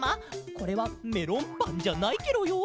これはメロンパンじゃないケロよ。